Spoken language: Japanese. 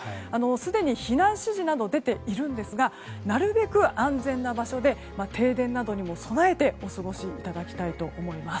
すでに避難指示など出ているんですがなるべく安全な場所で停電などにも備えて、お過ごしいただきたいと思います。